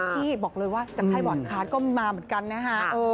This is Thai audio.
พี่บอกเลยว่าจังไทยบอลคาร์ตก็มาเหมือนกันนะฮะ